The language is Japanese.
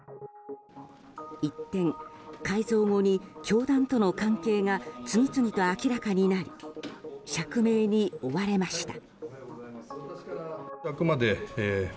一転、改造後に教団との関係が次々と明らかになり釈明に追われました。